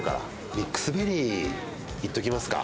ミックスベリーいっときますか。